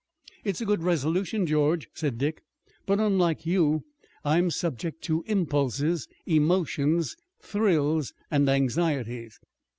"It's a good resolution, George," said Dick, "but unlike you, I am subject to impulses, emotions, thrills and anxieties."